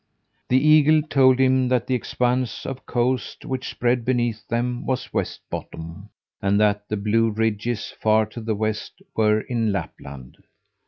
The eagle told him that the expanse of coast which spread beneath them was Westbottom, and that the blue ridges far to the west were in Lapland.